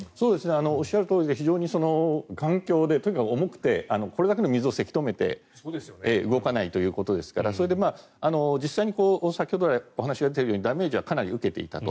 おっしゃるとおりで非常に環境でとにかく重くてこれだけの水をせき止めて動かないということですからそれで実際に先ほど来お話が出ているようにダメージはかなり受けていたと。